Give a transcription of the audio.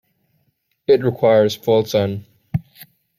It requires full sun.